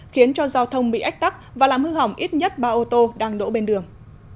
khiến cho giao thông bị ách tắc và làm hư hỏng ít nhất ba ô tô đang đổ bên đường